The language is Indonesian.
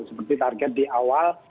seperti target di awal